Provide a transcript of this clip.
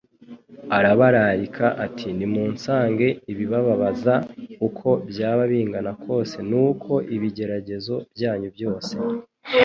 Arabararika ati: «Nimunsange.» Ibibababaza uko byaba bingana kose n'uko ibigeragezo byanyu byose